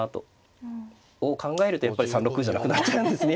お考えるとやっぱり３六歩じゃなくなっちゃうんですね